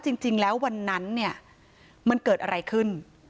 จริงแล้ววันนั้นเนี่ยมันเกิดอะไรขึ้น